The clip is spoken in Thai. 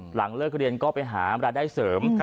หลังเลิกเรียนก็ไปหารายได้เสริม